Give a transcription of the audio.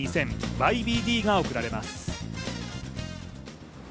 ＹＢＤが贈られます。